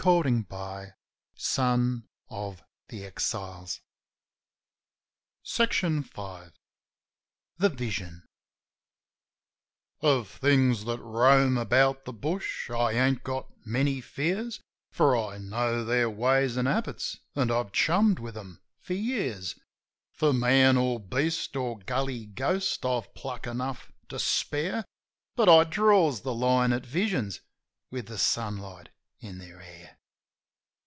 thinkin' hard. V. THE VISION The Vision ( J F things that roam about the bush I ain't got many fears, For I knows their ways an' habits, an' I've chummed with them for years. For man or beast or gully ghost I've pluck enough to spare; But I draws the line at visions with the sunlight in their hair.